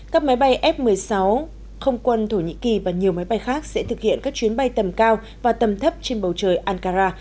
các máy bay f một mươi sáu không quân thổ nhĩ kỳ và nhiều máy bay khác sẽ thực hiện các chuyến bay tầm cao và tầm thấp trên bầu trời ankara